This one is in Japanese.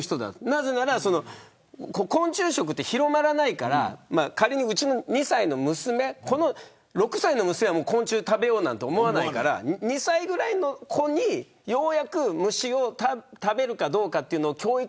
なぜなら昆虫食って広まらないから仮にうちの２歳の娘６歳の娘は昆虫食べようなんて思わないから２歳ぐらいの子にようやく虫を食べるかどうかという教育